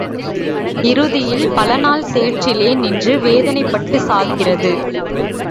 இறுதியில் பலநாள் சேற்றிலே நின்று வேதனைப்பட்டுச் சாகிறது.